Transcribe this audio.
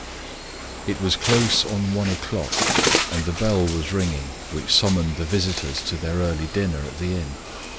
It was close on one o'clock, and the bell was ringing which summoned the visitors to their early dinner at the inn.